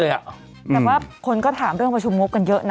แต่ว่าคนก็ถามเรื่องประชุมงบกันเยอะนะ